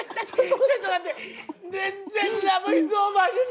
ちょっと待って！